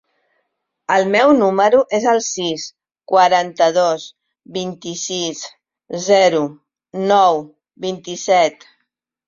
El meu número es el sis, quaranta-dos, vint-i-sis, zero, nou, vint-i-set.